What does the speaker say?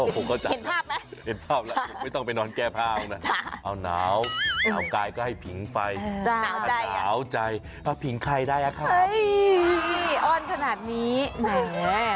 คุณก็ต้องเห็นแบบมีใจหมามันบ้าง